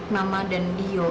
mama dan dio